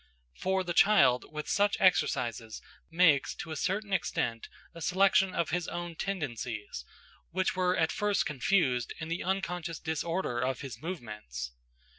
For the child with such exercises makes, to a certain extent, a selection of his own tendencies, which were at first confused in the unconscious disorder of his movements.